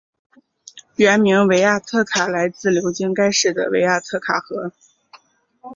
原名维亚特卡来自流经该市的维亚特卡河。